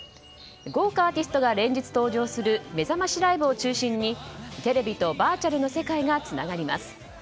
豪華アーティストが連日登場するめざましライブを中心にテレビとバーチャルの世界がつながります。